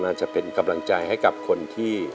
จะเป็นกำลังใจให้กับคนที่